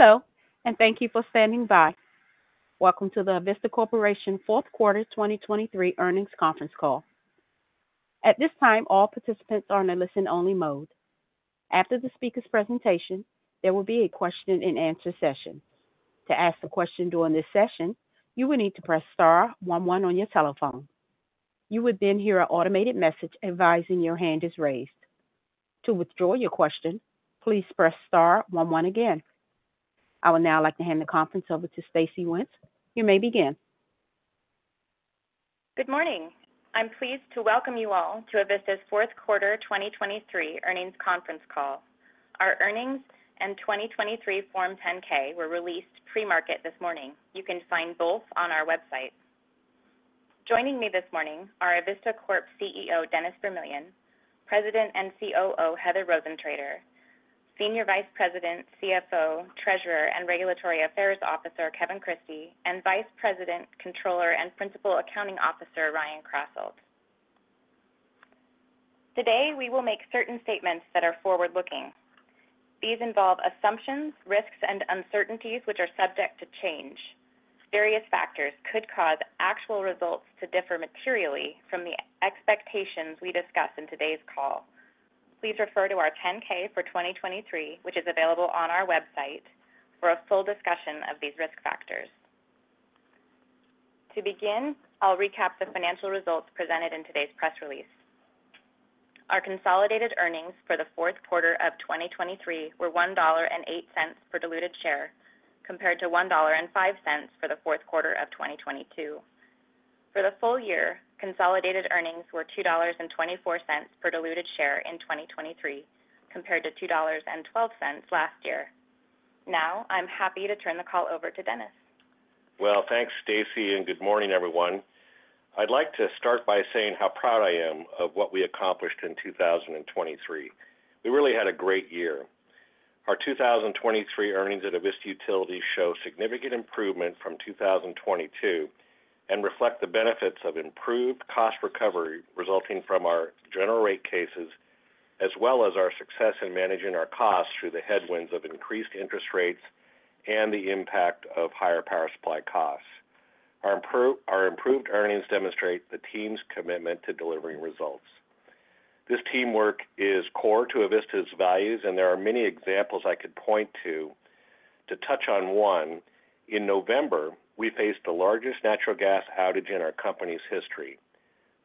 Hello, and thank you for standing by. Welcome to the Avista Corporation fourth quarter 2023 earnings conference call. At this time, all participants are in a listen-only mode. After the speaker's presentation, there will be a question-and-answer session. To ask a question during this session, you will need to press star 11 on your telephone. You would then hear an automated message advising your hand is raised. To withdraw your question, please press star 11 again. I would now like to hand the conference over to Stacey Wenz. You may begin. Good morning. I'm pleased to welcome you all to Avista's fourth quarter 2023 earnings conference call. Our earnings and 2023 Form 10-K were released pre-market this morning. You can find both on our website. Joining me this morning are Avista Corp. CEO Dennis Vermillion, President and COO Heather Rosentrater, Senior Vice President, CFO, Treasurer, and Regulatory Affairs Officer Kevin Christie, and Vice President, Controller, and Principal Accounting Officer Ryan Krasselt. Today we will make certain statements that are forward-looking. These involve assumptions, risks, and uncertainties which are subject to change. Various factors could cause actual results to differ materially from the expectations we discuss in today's call. Please refer to our 10-K for 2023, which is available on our website, for a full discussion of these risk factors. To begin, I'll recap the financial results presented in today's press release. Our consolidated earnings for the fourth quarter of 2023 were $1.08 per diluted share, compared to $1.05 for the fourth quarter of 2022. For the full year, consolidated earnings were $2.24 per diluted share in 2023, compared to $2.12 last year. Now I'm happy to turn the call over to Dennis. Well, thanks, Stacey, and good morning, everyone. I'd like to start by saying how proud I am of what we accomplished in 2023. We really had a great year. Our 2023 earnings at Avista Utilities show significant improvement from 2022 and reflect the benefits of improved cost recovery resulting from our general rate cases, as well as our success in managing our costs through the headwinds of increased interest rates and the impact of higher power supply costs. Our improved earnings demonstrate the team's commitment to delivering results. This teamwork is core to Avista's values, and there are many examples I could point to. To touch on one, in November, we faced the largest natural gas outage in our company's history.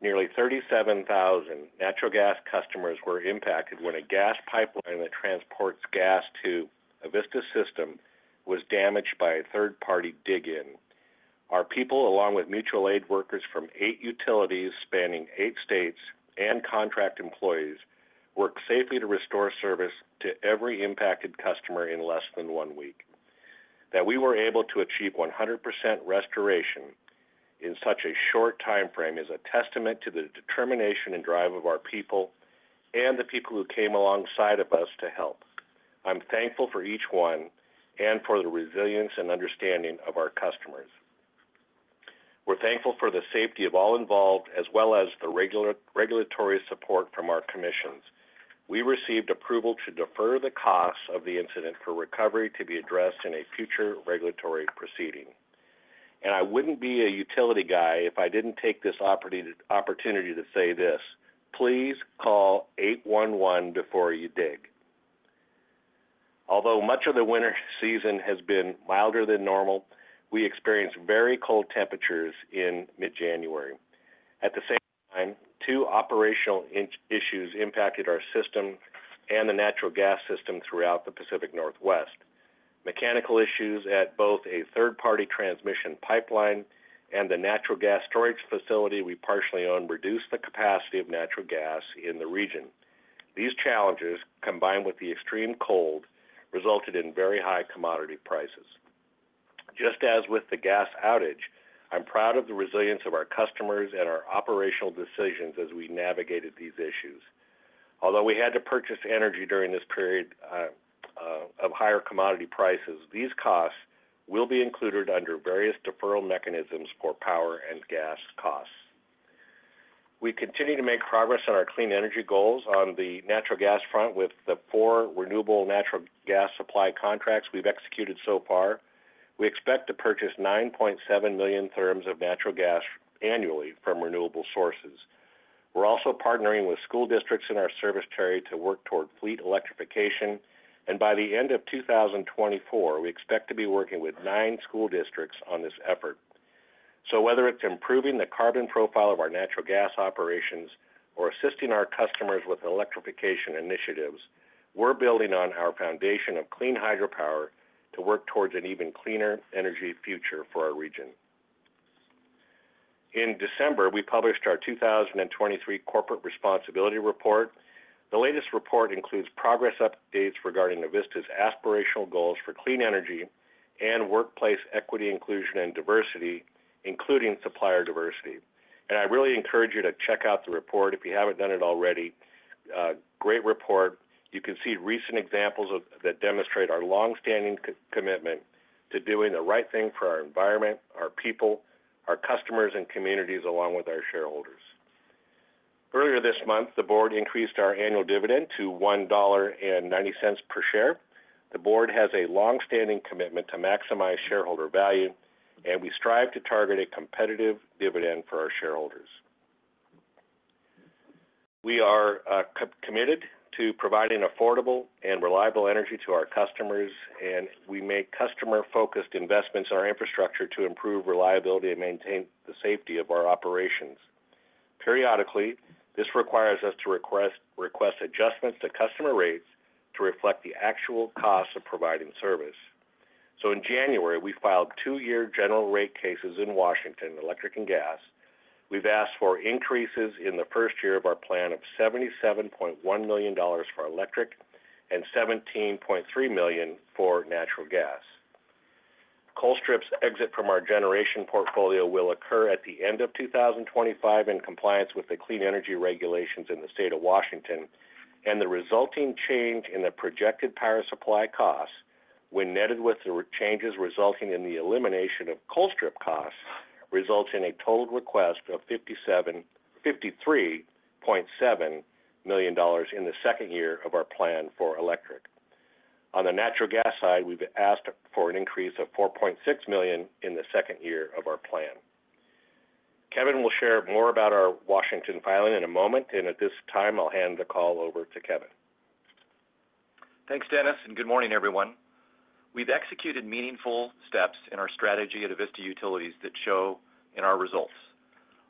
Nearly 37,000 natural gas customers were impacted when a gas pipeline that transports gas to Avista's system was damaged by a third-party dig-in. Our people, along with mutual aid workers from 8 utilities spanning 8 states and contract employees, worked safely to restore service to every impacted customer in less than 1 week. That we were able to achieve 100% restoration in such a short time frame is a testament to the determination and drive of our people and the people who came alongside of us to help. I'm thankful for each one and for the resilience and understanding of our customers. We're thankful for the safety of all involved, as well as the regulatory support from our commissions. We received approval to defer the costs of the incident for recovery to be addressed in a future regulatory proceeding. I wouldn't be a utility guy if I didn't take this opportunity to say this: please call 811 before you dig. Although much of the winter season has been milder than normal, we experienced very cold temperatures in mid-January. At the same time, two operational issues impacted our system and the natural gas system throughout the Pacific Northwest. Mechanical issues at both a third-party transmission pipeline and the natural gas storage facility we partially own reduced the capacity of natural gas in the region. These challenges, combined with the extreme cold, resulted in very high commodity prices. Just as with the gas outage, I'm proud of the resilience of our customers and our operational decisions as we navigated these issues. Although we had to purchase energy during this period of higher commodity prices, these costs will be included under various deferral mechanisms for power and gas costs. We continue to make progress on our clean energy goals on the natural gas front with the four renewable natural gas supply contracts we've executed so far. We expect to purchase 9.7 million therms of natural gas annually from renewable sources. We're also partnering with school districts in our service territory to work toward fleet electrification, and by the end of 2024, we expect to be working with nine school districts on this effort. So whether it's improving the carbon profile of our natural gas operations or assisting our customers with electrification initiatives, we're building on our foundation of clean hydropower to work towards an even cleaner energy future for our region. In December, we published our 2023 Corporate Responsibility Report. The latest report includes progress updates regarding Avista's aspirational goals for clean energy and workplace equity, inclusion, and diversity, including supplier diversity. I really encourage you to check out the report if you haven't done it already. Great report. You can see recent examples that demonstrate our longstanding commitment to doing the right thing for our environment, our people, our customers, and communities, along with our shareholders. Earlier this month, the board increased our annual dividend to $1.90 per share. The board has a longstanding commitment to maximize shareholder value, and we strive to target a competitive dividend for our shareholders. We are committed to providing affordable and reliable energy to our customers, and we make customer-focused investments in our infrastructure to improve reliability and maintain the safety of our operations. Periodically, this requires us to request adjustments to customer rates to reflect the actual costs of providing service. In January, we filed two-year general rate cases in Washington, electric and gas. We've asked for increases in the first year of our plan of $77.1 million for electric and $17.3 million for natural gas. Colstrip's exit from our generation portfolio will occur at the end of 2025 in compliance with the clean energy regulations in the state of Washington, and the resulting change in the projected power supply costs, when netted with the changes resulting in the elimination of Colstrip costs, results in a total request of $53.7 million in the second year of our plan for electric. On the natural gas side, we've asked for an increase of $4.6 million in the second year of our plan. Kevin will share more about our Washington filing in a moment, and at this time, I'll hand the call over to Kevin. Thanks, Dennis, and good morning, everyone. We've executed meaningful steps in our strategy at Avista Utilities that show in our results.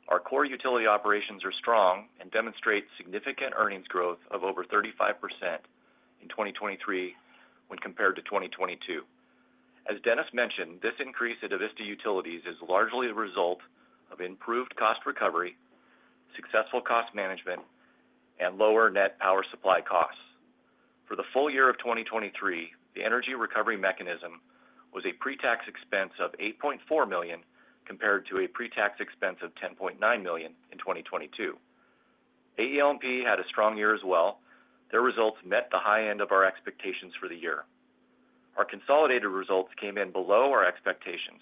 Our core utility operations are strong and demonstrate significant earnings growth of over 35% in 2023 when compared to 2022. As Dennis mentioned, this increase at Avista Utilities is largely the result of improved cost recovery, successful cost management, and lower net power supply costs. For the full year of 2023, the Energy Recovery Mechanism was a pre-tax expense of $8.4 million compared to a pre-tax expense of $10.9 million in 2022. AEL&P had a strong year as well. Their results met the high end of our expectations for the year. Our consolidated results came in below our expectations.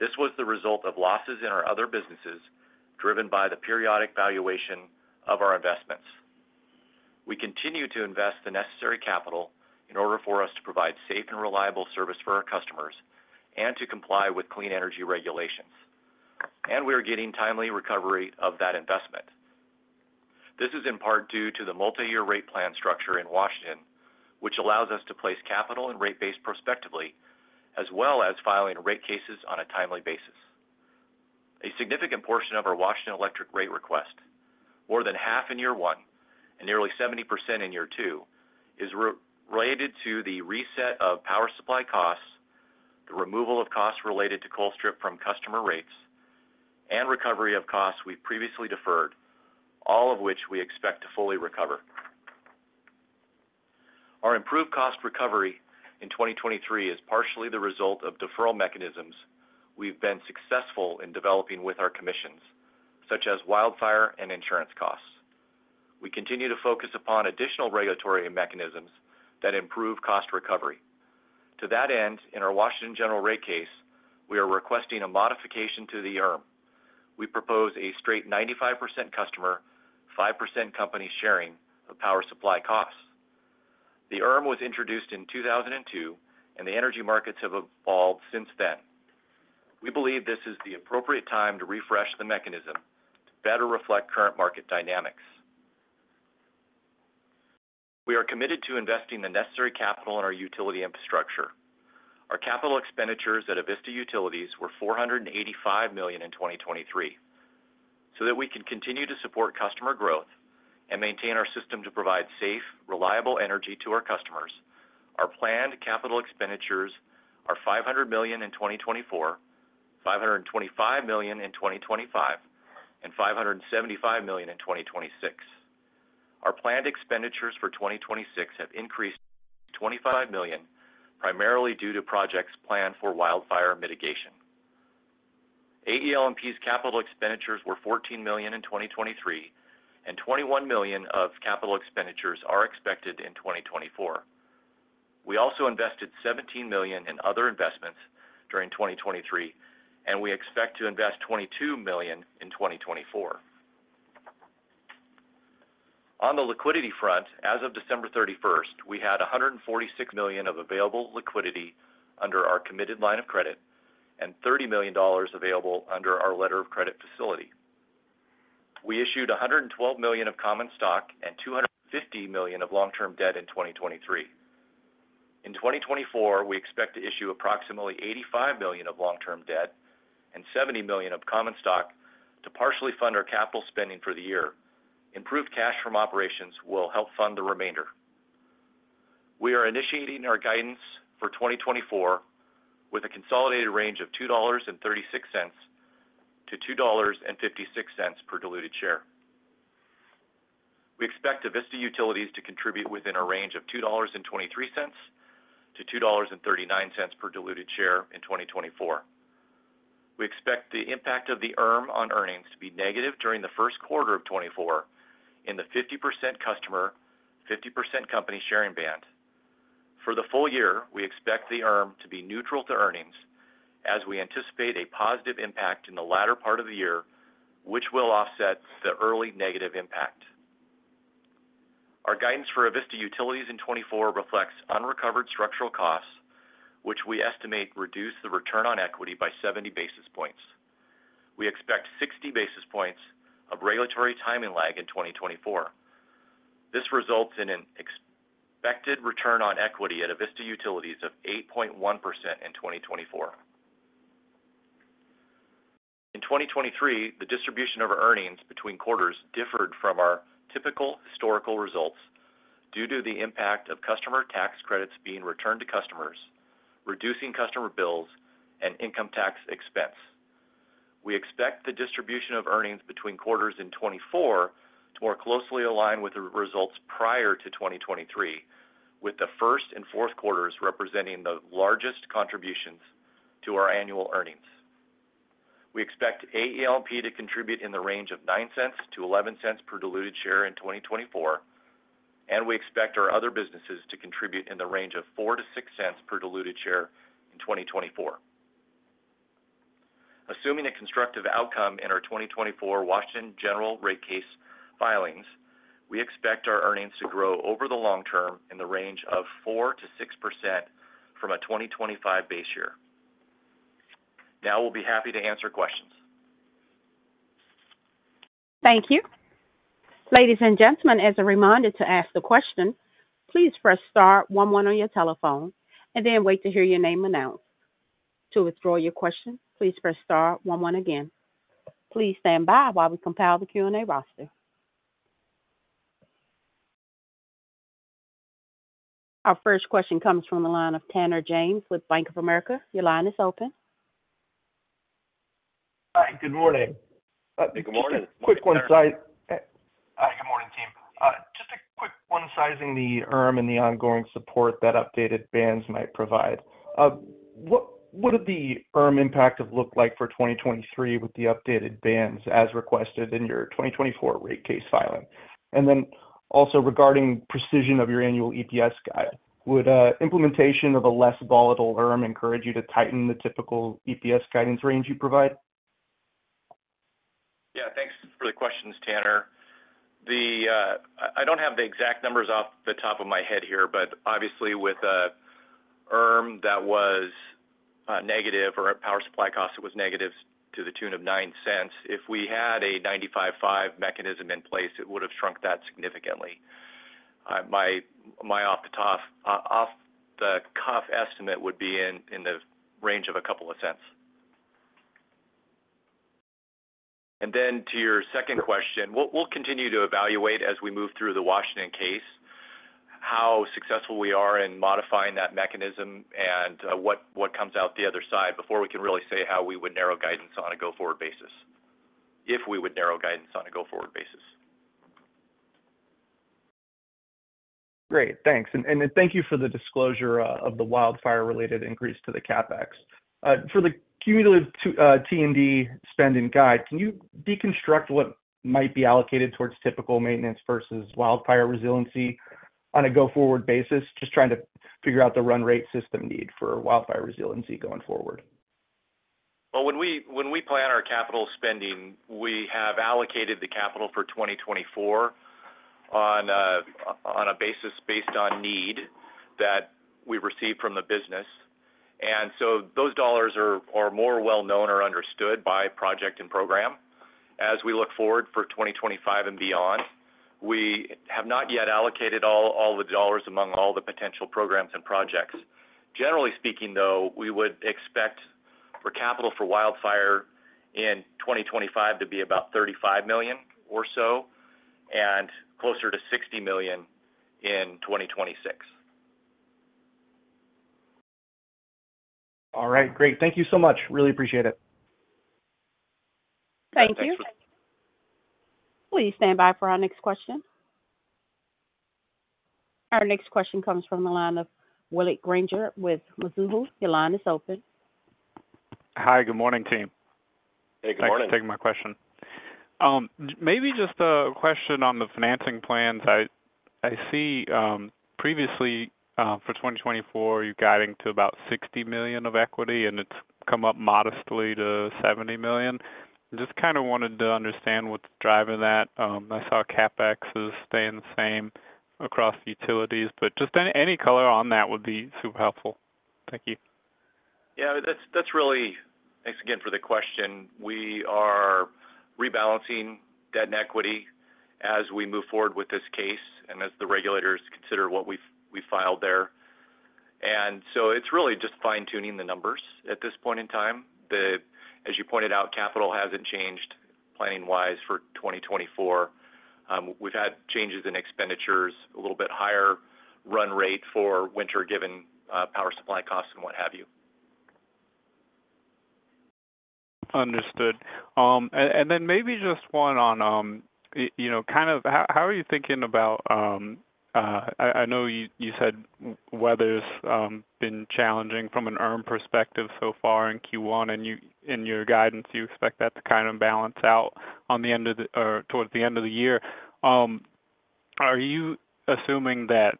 This was the result of losses in our other businesses driven by the periodic valuation of our investments. We continue to invest the necessary capital in order for us to provide safe and reliable service for our customers and to comply with clean energy regulations, and we are getting timely recovery of that investment. This is in part due to the multi-year rate plan structure in Washington, which allows us to place capital and rate base prospectively, as well as filing rate cases on a timely basis. A significant portion of our Washington electric rate request, more than half in year one and nearly 70% in year two, is related to the reset of power supply costs, the removal of costs related to Colstrip from customer rates, and recovery of costs we've previously deferred, all of which we expect to fully recover. Our improved cost recovery in 2023 is partially the result of deferral mechanisms we've been successful in developing with our commissions, such as wildfire and insurance costs. We continue to focus upon additional regulatory mechanisms that improve cost recovery. To that end, in our Washington general rate case, we are requesting a modification to the ERM. We propose a straight 95% customer, 5% company sharing of power supply costs. The ERM was introduced in 2002, and the energy markets have evolved since then. We believe this is the appropriate time to refresh the mechanism to better reflect current market dynamics. We are committed to investing the necessary capital in our utility infrastructure. Our capital expenditures at Avista Utilities were $485 million in 2023. So that we can continue to support customer growth and maintain our system to provide safe, reliable energy to our customers, our planned capital expenditures are $500 million in 2024, $525 million in 2025, and $575 million in 2026. Our planned expenditures for 2026 have increased to $25 million, primarily due to projects planned for wildfire mitigation. AEL&P's capital expenditures were $14 million in 2023, and $21 million of capital expenditures are expected in 2024. We also invested $17 million in other investments during 2023, and we expect to invest $22 million in 2024. On the liquidity front, as of December 31st, we had $146 million of available liquidity under our committed line of credit and $30 million available under our letter of credit facility. We issued $112 million of common stock and $250 million of long-term debt in 2023. In 2024, we expect to issue approximately $85 million of long-term debt and $70 million of common stock to partially fund our capital spending for the year. Improved cash from operations will help fund the remainder. We are initiating our guidance for 2024 with a consolidated range of $2.36-$2.56 per diluted share. We expect Avista Utilities to contribute within a range of $2.23-$2.39 per diluted share in 2024. We expect the impact of the ERM on earnings to be negative during the first quarter of 2024 in the 50% customer, 50% company sharing band. For the full year, we expect the ERM to be neutral to earnings, as we anticipate a positive impact in the latter part of the year, which will offset the early negative impact. Our guidance for Avista Utilities in 2024 reflects unrecovered structural costs, which we estimate reduce the return on equity by 70 basis points. We expect 60 basis points of regulatory timing lag in 2024. This results in an expected return on equity at Avista Utilities of 8.1% in 2024. In 2023, the distribution of earnings between quarters differed from our typical historical results due to the impact of customer tax credits being returned to customers, reducing customer bills, and income tax expense. We expect the distribution of earnings between quarters in 2024 to more closely align with the results prior to 2023, with the first and fourth quarters representing the largest contributions to our annual earnings. We expect AEL&P to contribute in the range of $0.09-$0.11 per diluted share in 2024, and we expect our other businesses to contribute in the range of $0.04-$0.06 per diluted share in 2024. Assuming a constructive outcome in our 2024 Washington general rate case filings, we expect our earnings to grow over the long term in the range of 4%-6% from a 2025 base year. Now we'll be happy to answer questions. Thank you. Ladies and gentlemen, as a reminder to ask the question, please press star 11 on your telephone and then wait to hear your name announced. To withdraw your question, please press star 11 again. Please stand by while we compile the Q&A roster. Our first question comes from the line of Tanner James with Bank of America. Your line is open. Hi. Good morning. Good morning. Quick one-side. Hi. Good morning, team. Just a quick one, sizing the ERM and the ongoing support that updated bands might provide. What would the ERM impact have looked like for 2023 with the updated bands as requested in your 2024 rate case filing? And then also regarding precision of your annual EPS guide, would implementation of a less volatile ERM encourage you to tighten the typical EPS guidance range you provide? Yeah. Thanks for the questions, Tanner. I don't have the exact numbers off the top of my head here, but obviously, with an ERM that was negative or a power supply cost that was negative to the tune of $0.09, if we had a 95/5 mechanism in place, it would have shrunk that significantly. My off-the-cuff estimate would be in the range of a couple of cents. And then to your second question, we'll continue to evaluate as we move through the Washington case how successful we are in modifying that mechanism and what comes out the other side before we can really say how we would narrow guidance on a go-forward basis, if we would narrow guidance on a go-forward basis. Great. Thanks. Thank you for the disclosure of the wildfire-related increase to the CapEx. For the cumulative T&D spending guide, can you deconstruct what might be allocated towards typical maintenance versus wildfire resiliency on a go-forward basis, just trying to figure out the run-rate system need for wildfire resiliency going forward? Well, when we plan our capital spending, we have allocated the capital for 2024 on a basis based on need that we receive from the business. And so those dollars are more well-known or understood by project and program. As we look forward for 2025 and beyond, we have not yet allocated all the dollars among all the potential programs and projects. Generally speaking, though, we would expect for capital for wildfire in 2025 to be about $35 million or so and closer to $60 million in 2026. All right. Great. Thank you so much. Really appreciate it. Thank you. Thanks. Will you stand by for our next question? Our next question comes from the line of Willie Granger with Mizuho. Your line is open. Hi. Good morning, team. Hey. Good morning. Thanks for taking my question. Maybe just a question on the financing plans. I see previously for 2024, you're guiding to about $60 million of equity, and it's come up modestly to $70 million. Just kind of wanted to understand what's driving that. I saw CapEx is staying the same across the utilities, but just any color on that would be super helpful. Thank you. Yeah. Thanks again for the question. We are rebalancing debt and equity as we move forward with this case and as the regulators consider what we filed there. And so it's really just fine-tuning the numbers at this point in time. As you pointed out, capital hasn't changed planning-wise for 2024. We've had changes in expenditures, a little bit higher run rate for winter given power supply costs and what have you. Understood. And then maybe just one on kind of how are you thinking about. I know you said weather's been challenging from an ERM perspective so far in Q1. In your guidance, you expect that to kind of balance out on the end of the or towards the end of the year. Are you assuming that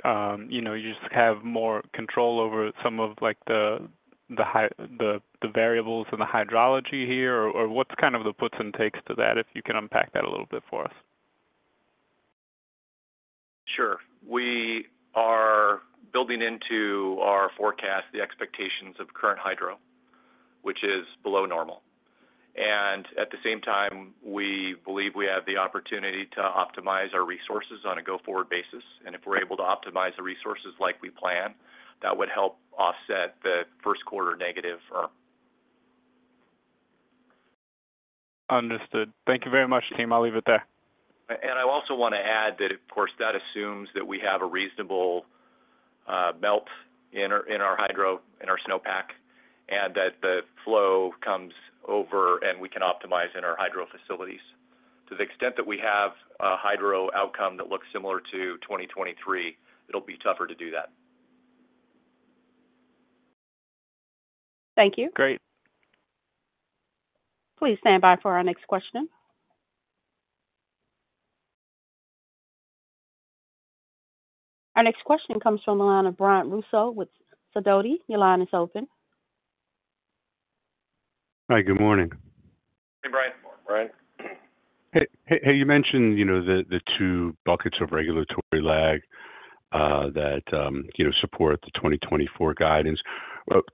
you just have more control over some of the variables in the hydrology here, or what's kind of the puts and takes to that, if you can unpack that a little bit for us? Sure. We are building into our forecast the expectations of current hydro, which is below normal. And at the same time, we believe we have the opportunity to optimize our resources on a go-forward basis. And if we're able to optimize the resources like we plan, that would help offset the first quarter negative ERM. Understood. Thank you very much, team. I'll leave it there. I also want to add that, of course, that assumes that we have a reasonable melt in our snowpack and that the flow comes over and we can optimize in our hydro facilities. To the extent that we have a hydro outcome that looks similar to 2023, it'll be tougher to do that. Thank you. Great. Please stand by for our next question. Our next question comes from the line of Brian Russo with Sidoti. Your line is open. Hi. Good morning. Hey, Brian. Brian. Hey. You mentioned the two buckets of regulatory lag that support the 2024 guidance.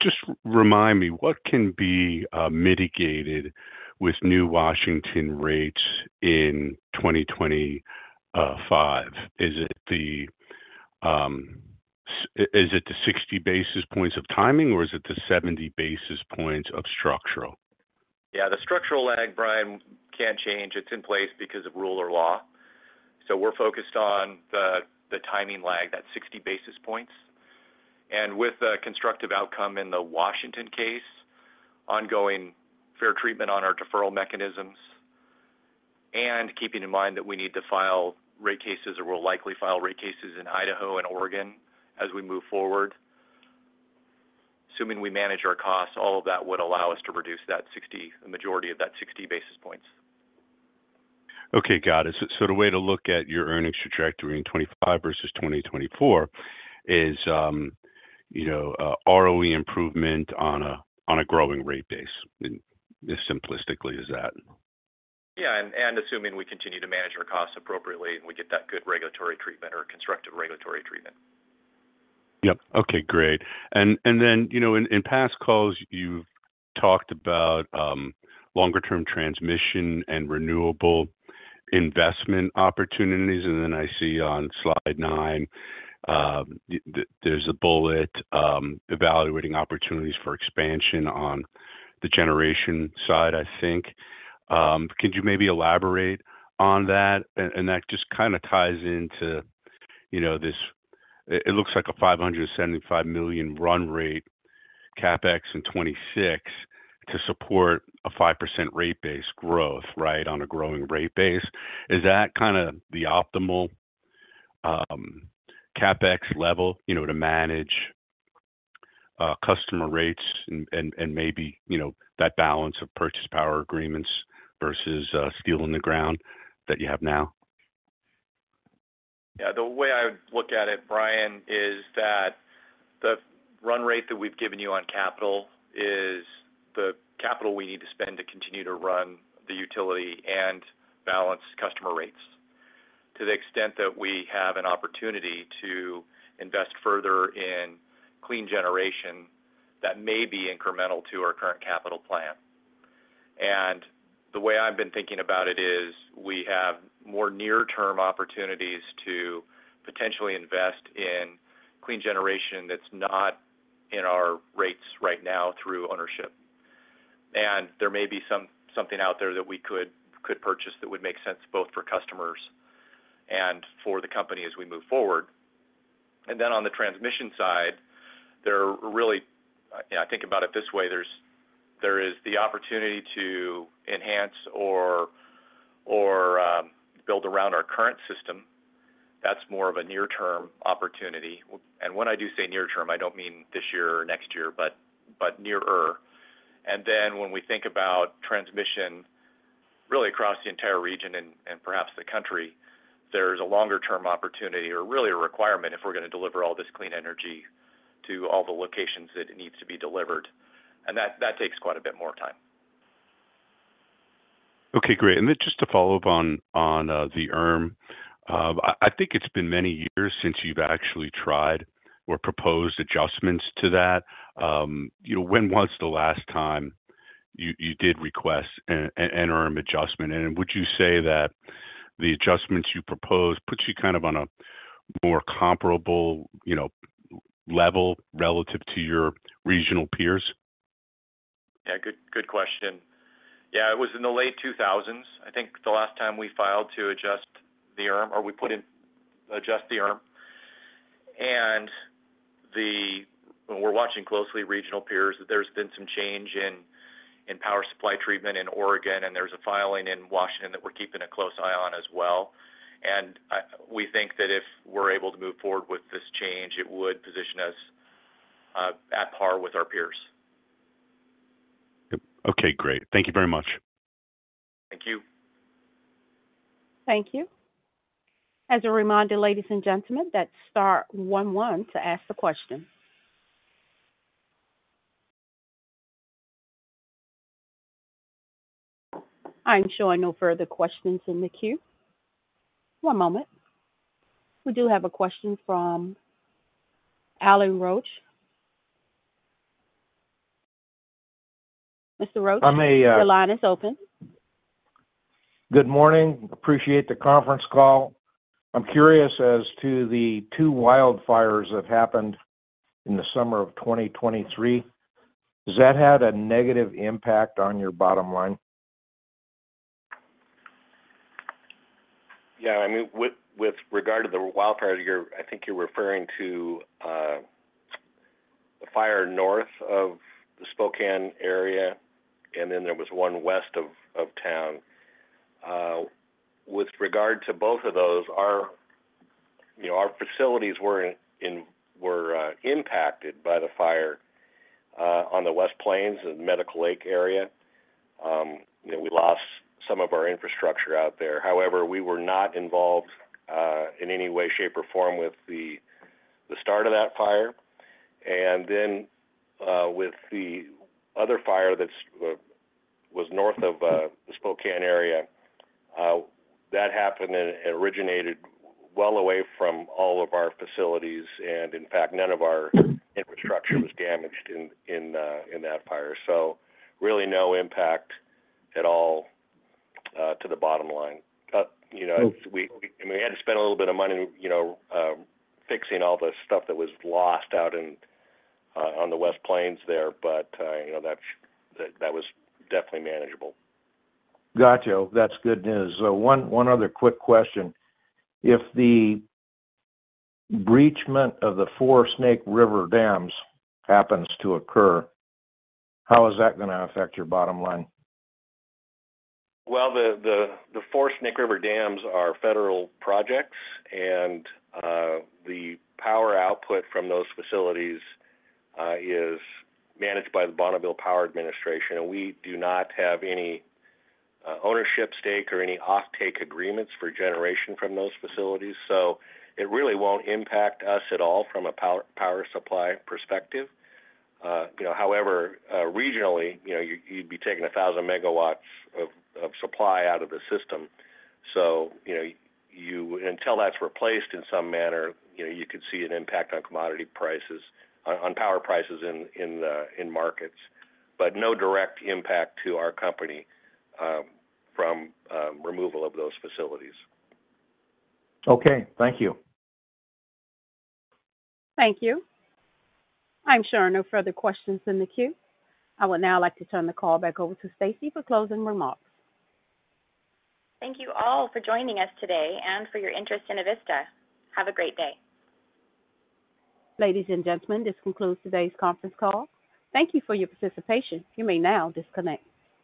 Just remind me, what can be mitigated with new Washington rates in 2025? Is it the 60 basis points of timing, or is it the 70 basis points of structural? Yeah. The structural lag, Brian, can't change. It's in place because of rule or law. So we're focused on the timing lag, that 60 basis points. And with the constructive outcome in the Washington case, ongoing fair treatment on our deferral mechanisms, and keeping in mind that we need to file rate cases or will likely file rate cases in Idaho and Oregon as we move forward, assuming we manage our costs, all of that would allow us to reduce the majority of that 60 basis points. Okay. Got it. So the way to look at your earnings trajectory in 2025 versus 2024 is ROE improvement on a growing rate base. As simplistically as that. Yeah. And assuming we continue to manage our costs appropriately and we get that good regulatory treatment or constructive regulatory treatment. Yep. Okay. Great. And then in past calls, you've talked about longer-term transmission and renewable investment opportunities. And then I see on slide 9, there's a bullet evaluating opportunities for expansion on the generation side, I think. Can you maybe elaborate on that? And that just kind of ties into this. It looks like a $575 million run rate CapEx in 2026 to support a 5% rate base growth, right, on a growing rate base. Is that kind of the optimal CapEx level to manage customer rates and maybe that balance of purchase power agreements versus steel in the ground that you have now? Yeah. The way I would look at it, Brian, is that the run rate that we've given you on capital is the capital we need to spend to continue to run the utility and balance customer rates. To the extent that we have an opportunity to invest further in clean generation, that may be incremental to our current capital plan. And the way I've been thinking about it is we have more near-term opportunities to potentially invest in clean generation that's not in our rates right now through ownership. And there may be something out there that we could purchase that would make sense both for customers and for the company as we move forward. And then on the transmission side, there are really. I think about it this way. There is the opportunity to enhance or build around our current system. That's more of a near-term opportunity. When I do say near-term, I don't mean this year or next year, but nearer. Then when we think about transmission really across the entire region and perhaps the country, there's a longer-term opportunity or really a requirement if we're going to deliver all this clean energy to all the locations that it needs to be delivered. That takes quite a bit more time. Okay. Great. And then just to follow up on the ERM, I think it's been many years since you've actually tried or proposed adjustments to that. When was the last time you did request an ERM adjustment? And would you say that the adjustments you proposed put you kind of on a more comparable level relative to your regional peers? Yeah. Good question. Yeah. It was in the late 2000s, I think, the last time we filed to adjust the ERM or we put in adjust the ERM. And we're watching closely regional peers. There's been some change in power supply treatment in Oregon, and there's a filing in Washington that we're keeping a close eye on as well. And we think that if we're able to move forward with this change, it would position us at par with our peers. Okay. Great. Thank you very much. Thank you. Thank you. As a reminder, ladies and gentlemen, that's star one one to ask the question. I'm sorry. I know no further questions in the queue. One moment. We do have a question from Allen Roach. Mr. Roach? I may. Your line is open. Good morning. Appreciate the conference call. I'm curious as to the two wildfires that happened in the summer of 2023. Has that had a negative impact on your bottom line? Yeah. I mean, with regard to the wildfire, I think you're referring to the fire north of the Spokane area, and then there was one west of town. With regard to both of those, our facilities were impacted by the fire on the West Plains and Medical Lake area. We lost some of our infrastructure out there. However, we were not involved in any way, shape, or form with the start of that fire. And then with the other fire that was north of the Spokane area, that happened and originated well away from all of our facilities. And in fact, none of our infrastructure was damaged in that fire. So really no impact at all to the bottom line. I mean, we had to spend a little bit of money fixing all the stuff that was lost out on the West Plains there, but that was definitely manageable. Gotcha. That's good news. So one other quick question. If the breach of the four Snake River dams happens to occur, how is that going to affect your bottom line? Well, the four Snake River dams are federal projects, and the power output from those facilities is managed by the Bonneville Power Administration. We do not have any ownership stake or any offtake agreements for generation from those facilities. It really won't impact us at all from a power supply perspective. However, regionally, you'd be taking 1,000 megawatts of supply out of the system. Until that's replaced in some manner, you could see an impact on commodity prices, on power prices in markets, but no direct impact to our company from removal of those facilities. Okay. Thank you. Thank you. I'm sure I know further questions in the queue. I would now like to turn the call back over to Stacey for closing remarks. Thank you all for joining us today and for your interest in Avista. Have a great day. Ladies and gentlemen, this concludes today's conference call. Thank you for your participation. You may now disconnect.